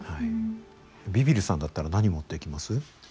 ビビるさんだったら何持っていきます？